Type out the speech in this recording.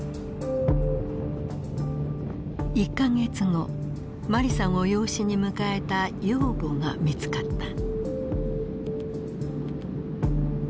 １か月後マリさんを養子に迎えた養母が見つかった。